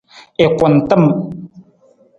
I kuntam.